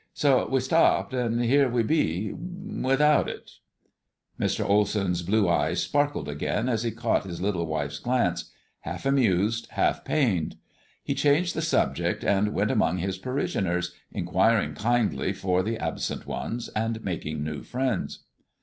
So we stopped, and here we be, without it." Mr. Olsen's blue eyes sparkled again as he caught his little wife's glance, half amused, half pained. He changed the subject, and went among his parishioners, inquiring kindly for the absent ones, and making new friends.